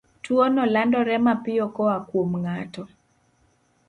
Tuwono landore mapiyo koa kuom ng'ato